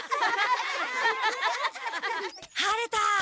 晴れた！